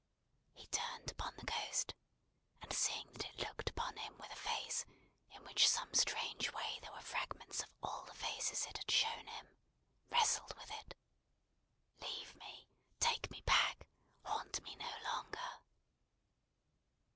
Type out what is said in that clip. He turned upon the Ghost, and seeing that it looked upon him with a face, in which in some strange way there were fragments of all the faces it had shown him, wrestled with it. "Leave me! Take me back. Haunt me no longer!"